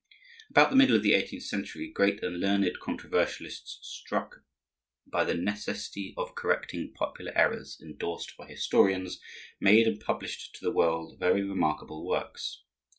About the middle of the eighteenth century great and learned controversialists, struck by the necessity of correcting popular errors endorsed by historians, made and published to the world very remarkable works.